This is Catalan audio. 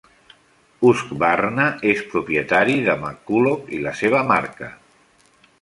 Husqvarna és propietari de McCulloch i la seva marca.